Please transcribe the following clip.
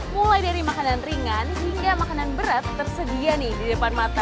mulai dari makanan ringan hingga makanan berat tersedia nih di depan mata